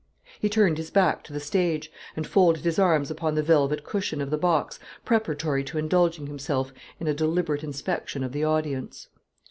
He turned his back to the stage, and folded his arms upon the velvet cushion of the box preparatory to indulging himself in a deliberate inspection of the audience.